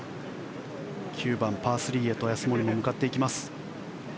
９番、パー３へと安森も向かっていきます。